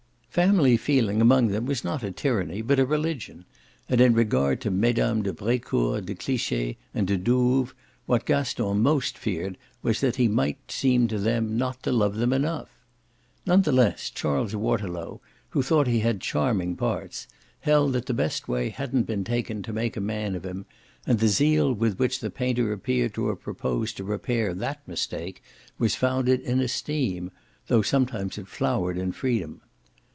Family feeling among them was not a tyranny but a religion, and in regard to Mesdames de Brecourt, de Cliche and de Douves what Gaston most feared was that he might seem to them not to love them enough. None the less Charles Waterlow, who thought he had charming parts, held that the best way hadn't been taken to make a man of him, and the zeal with which the painter appeared to have proposed to repair that mistake was founded in esteem, though it sometimes flowered in freedom.